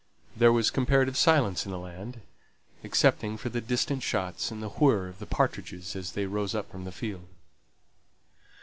There was comparative silence in the land, excepting for the distant shots, and the whirr of the partridges as they rose up from the field.